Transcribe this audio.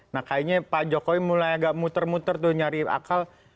nah kayaknya pak jokowi mulai agak muter muter tuh nyari akal